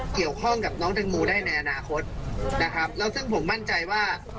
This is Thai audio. เกี่ยวข้องกับน้องแตงโมได้ในอนาคตนะครับแล้วซึ่งผมมั่นใจว่า